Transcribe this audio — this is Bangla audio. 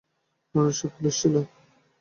কারণ সে পুলিশ ছিল।